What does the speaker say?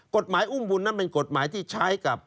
กฎหมายอุ้มบุญนั้นเป็นกฎหมายที่ใช้กับ